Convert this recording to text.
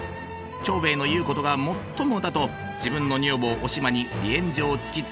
長兵衛の言うことがもっともだと自分の女房おしまに離縁状を突きつける清兵衛。